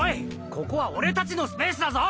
ここは俺たちのスペースだぞ！